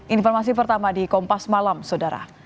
informasi pertama di kompas malam saudara